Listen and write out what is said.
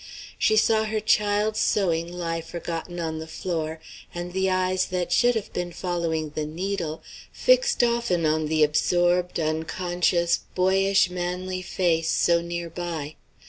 She saw her child's sewing lie forgotten on the floor, and the eyes that should have been following the needle, fixed often on the absorbed, unconscious, boyish manly face so near by.